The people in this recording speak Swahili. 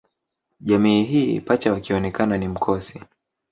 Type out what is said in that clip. Jamii hii Pacha wakionekana ni mkosi